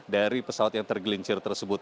dari pesawat yang tergelincir tersebut